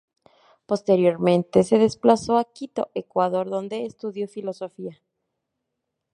Posteriormente se desplazó a Quito, Ecuador, donde estudió filosofía.